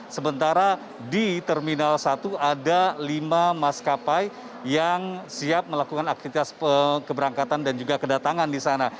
sementara di terminal satu ada lima maskapai yang siap melakukan aktivitas keberangkatan dan juga kedatangan di sana